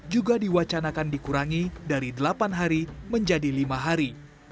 juga diwacanakan dikurangi dari delapan hari menjadi lima hari